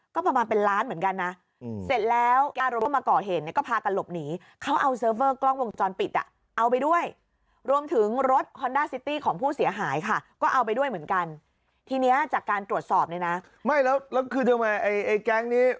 ก็ประมาณเป็นล้านเหมือนกันนะอืมเสร็จแล้วมาก่อเห็นก็พากันหลบหนี